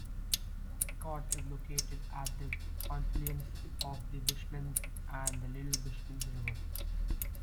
Estcourt is located at the confluence of the Bushmans and the Little Bushmans River.